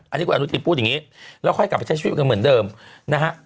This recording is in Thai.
อันนี้คุณอนุทินพูดอย่างนี้แล้วค่อยกลับไปใช้ชีวิตกันเหมือนเดิมนะฮะ